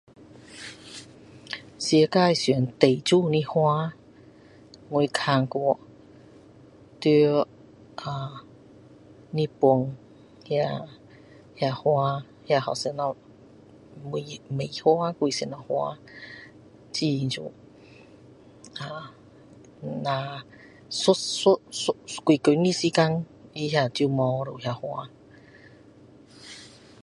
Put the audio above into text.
世界上最美的花我看过去在日本那个花那个叫什么梅花还是什么花很美只有几几几天的时间它那个就没有了哪个花